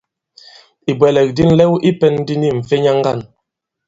Ìbwɛ̀lɛ̀k di nlɛw i pɛ̄n di ni m̀fenya ŋgǎn.